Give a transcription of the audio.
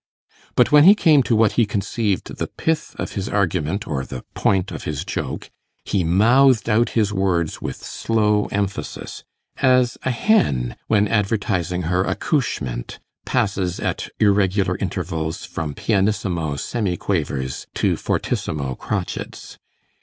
But when he came to what he conceived the pith of his argument or the point of his joke, he mouthed out his words with slow emphasis; as a hen, when advertising her accouchement, passes at irregular intervals from pianissimo semiquavers to fortissimo crotchets.